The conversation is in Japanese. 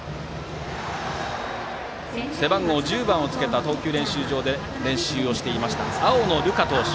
背番号１０番をつけた投球練習場で練習をしていました青野流果投手。